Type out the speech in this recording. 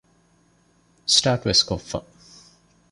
އިސްޓާޓުވެސް ކޮށްފަ